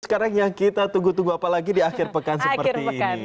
sekarang yang kita tunggu tunggu apa lagi di akhir pekan seperti ini